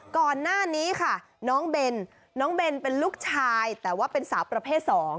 ก่อนหน้านี้ค่ะน้องเบนน้องเบนเป็นลูกชายแต่ว่าเป็นสาวประเภท๒